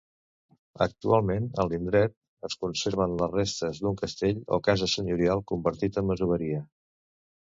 Actualment a l'indret es conserven les restes d'un castell o casa senyorial convertit en masoveria.